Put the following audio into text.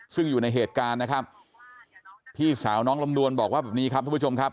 ซึ่งอยู่ในเหตุการณ์นะครับพี่สาวน้องลำดวนบอกว่าแบบนี้ครับทุกผู้ชมครับ